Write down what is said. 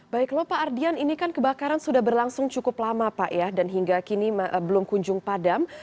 baik lho pak ardian ini kan kebakaran sudah berlangsung cukup lama pak ya dan hingga kini belum kunjung padam